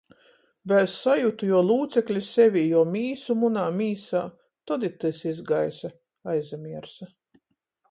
Vēļ sajutu juo lūcekli sevī, juo mīsu munā mīsā, tod i tys izgaisa, aizamiersa.